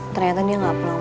ternyata dia gak pelan pulang